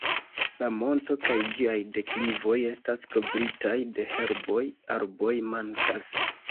La monto kaj ĝiaj deklivoj estas kovritaj de herboj, arboj mankas.